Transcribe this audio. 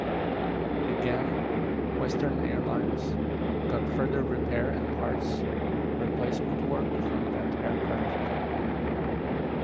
Again Western Airlines got further repair and parts replacement work from that aircraft.